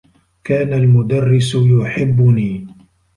كان المدرّس يحبّني.